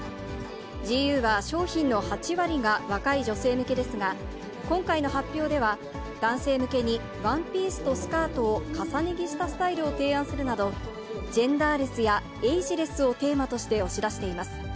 ＧＵは商品の８割が若い女性向けですが、今回の発表では、男性向けにワンピースとスカートを重ね着したスタイルを提案するなど、ジェンダーレスやエイジレスをテーマとして押し出しています。